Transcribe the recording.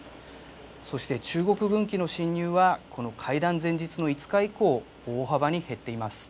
そして中国軍機の進入は、この会談前日の５日以降、大幅に減っています。